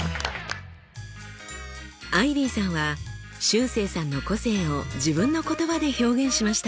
アイビーさんはしゅうせいさんの個性を自分の言葉で表現しました。